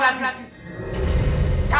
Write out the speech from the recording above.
jangan kusti tuhan ku